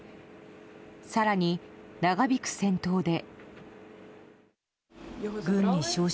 更に、長引く戦闘で。